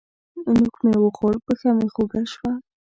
نوک مې وخوړ؛ پښه مې خوږ شوه.